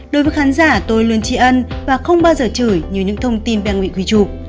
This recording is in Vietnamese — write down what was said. đối với khán giả tôi luôn tri ân và không bao giờ chửi như những thông tin đang bị quý trụ